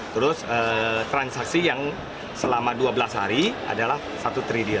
terus transaksi yang selama dua belas hari adalah satu triliun